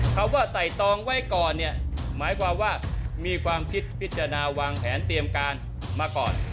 คำว่าไต่ตองไว้ก่อนเนี่ยหมายความว่ามีความคิดพิจารณาวางแผนเตรียมการมาก่อน